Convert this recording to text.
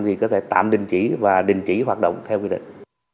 thì có thể tạm đình chỉ và đình chỉ hoạt động theo quy định